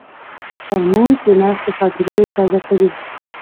ترموز د ناستې خاطرې تازه کوي.